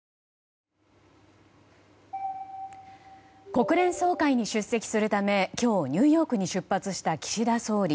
国連総会に出席するため今日、ニューヨークに出発した岸田総理。